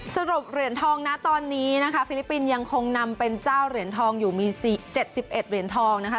สรุปเหรียญทองนะตอนนี้นะคะฟิลิปปินส์ยังคงนำเป็นเจ้าเหรียญทองอยู่มี๗๑เหรียญทองนะคะ